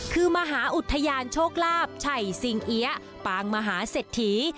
คือมหาอุทยานโชคลาภไฉ่สิงเหียะปางมหาเสร็จถี